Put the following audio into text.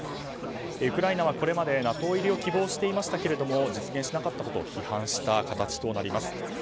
ウクライナはこれまでＮＡＴＯ入りを希望していましたが実現しなかったことを批判した形となります。